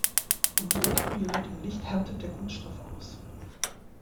Unter ultraviolettem Licht härtet der Kunststoff aus.